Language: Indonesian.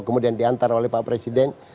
kemudian diantar oleh pak presiden